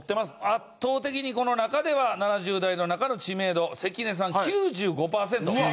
圧倒的にこの中では７０代の中の知名度関根さん９５パーセント。